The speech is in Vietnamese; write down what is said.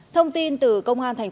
thông tin từ công an tp hcm